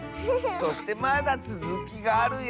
そしてまだつづきがあるよ！